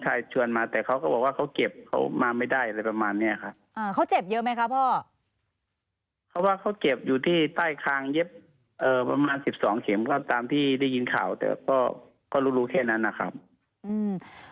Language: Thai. เจ็บเยอะไหมครับพ่อ